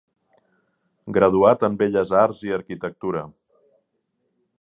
Graduat en Belles Arts i Arquitectura.